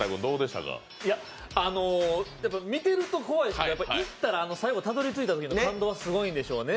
見てると怖いし、行ったら最後たどり着いたときの感動はすごいんでしょうね。